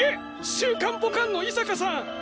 「週刊ボカン」の伊坂さん。